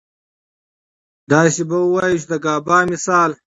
داسې به اووايو چې د ګابا مثال